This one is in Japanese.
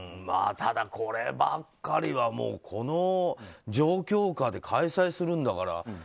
ただ、こればっかりはこの状況下で開催するんだから。